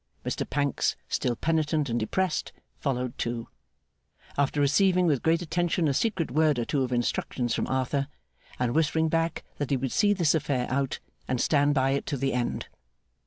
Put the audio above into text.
Mr Pancks, still penitent and depressed, followed too; after receiving with great attention a secret word or two of instructions from Arthur, and whispering back that he would see this affair out, and stand by it to the end.